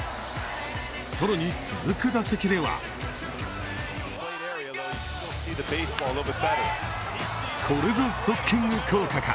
更に続く打席ではこれぞ、ストッキング効果か。